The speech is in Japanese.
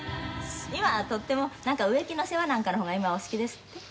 今はとってもなんか植木の世話なんかの方が今はお好きですって？